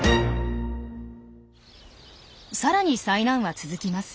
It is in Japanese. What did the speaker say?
さらに災難は続きます。